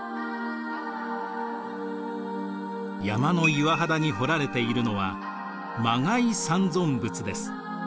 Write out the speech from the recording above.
山の岩肌に彫られているのは磨崖三尊仏です。